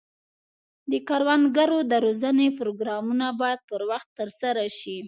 د کروندګرو د روزنې پروګرامونه باید پر وخت ترسره شي.